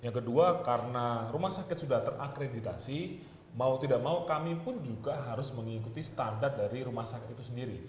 yang kedua karena rumah sakit sudah terakreditasi mau tidak mau kami pun juga harus mengikuti standar dari rumah sakit itu sendiri